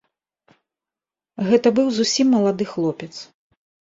Гэта быў зусім малады хлопец.